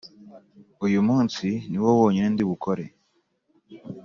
uyu munsi niwo wonyine ndibukore.